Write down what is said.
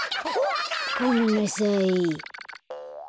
ごめんなさい。